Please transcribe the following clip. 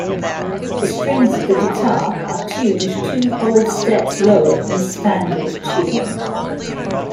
The strings of the guitar are tuned two whole steps lower than standard tuning.